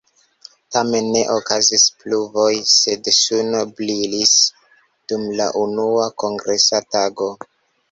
Tamen ne okazis pluvoj sed suno brilis dum la unua kongresa tago.